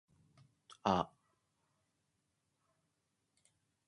統率や規律のとれていない集まりのたとえ。けもののように集まり、鳥のように散り行くという意味。